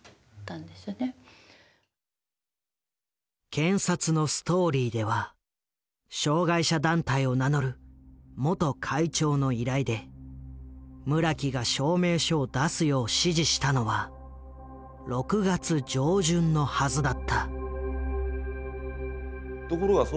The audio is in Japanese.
検察のストーリーでは障害者団体を名乗る元会長の依頼で村木が証明書を出すよう指示したのは６月上旬のはずだった。